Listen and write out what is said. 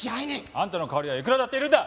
あんたの代わりはいくらだっているんだ！